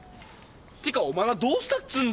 ていうかお前はどうしたっつうんだよ？